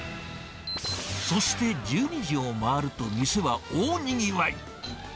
そして１２時を回ると、店は大にぎわい。